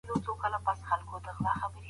د ټولنپوهنې تاريخ لنډ دی که اوږد؟